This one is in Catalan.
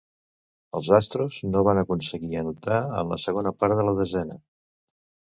Els Astros no van aconseguir anotar en la segona part de la desena.